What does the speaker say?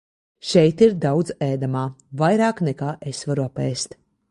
Šeit ir daudz ēdamā, vairāk nekā es varu apēst.